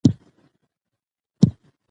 د مور کافي خوب مهم دی.